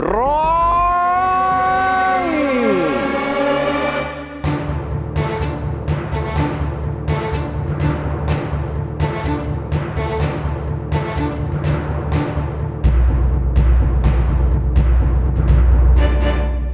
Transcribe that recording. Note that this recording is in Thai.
ร้อง